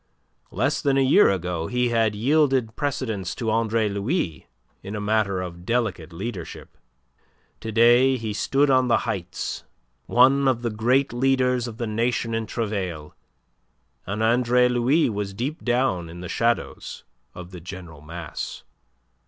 Less than a year ago he had yielded precedence to Andre Louis in a matter of delicate leadership; to day he stood on the heights, one of the great leaders of the Nation in travail, and Andre Louis was deep down in the shadows of the general mass.